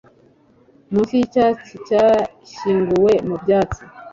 Munsi yicyatsi cyashyinguwe mubyatsi